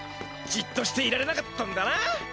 じっとしていられなかったんだな！